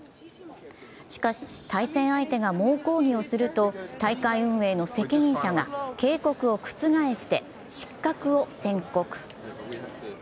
しかし、対戦相手が猛抗議をすると大会運営の責任者が警告を覆して失格を宣告。